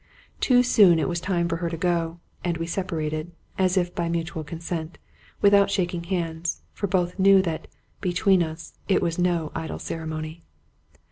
Too soon it was time for her to go; and we separated, as if by mutual consent, without shaking hands, for both knew that, between us, it was no idle ceremony.